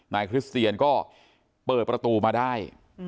คริสเตียนก็เปิดประตูมาได้